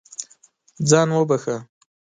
ځان وبښه.